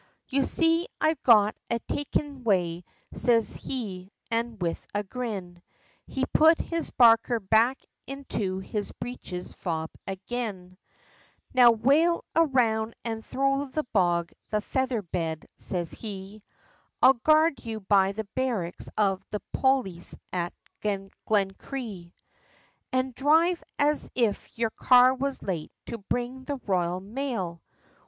"You see, I've got a takin' way," says he, an' with a grin, He put his barker back into his breeches fob, agin, "Now whail around, an' thro' the bog, the featherbed," says he, "I'll guard you, by the barracks of the Polis, at Glencree, An' dhrive, as if yer car was late, to bring the Royal Mail!